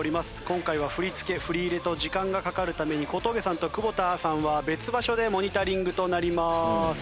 今回は振り付け振り入れと時間がかかるために小峠さんと久保田さんは別場所でモニタリングとなります。